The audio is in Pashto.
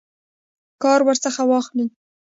کار ورڅخه واخلي.